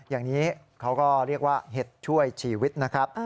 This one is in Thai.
อย่างนี้เขาก็เรียกว่าเห็ดช่วยชีวิตนะครับ